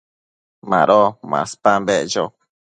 Mado maspan beccho